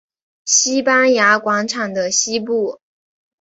西班牙广场的西端。